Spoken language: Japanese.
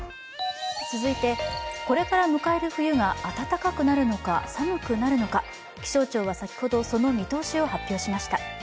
これから迎える冬が暖かくなるのか寒くなるのか気象庁は、先ほどその見通しを発表しました。